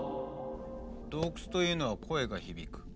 洞窟というのは声が響く。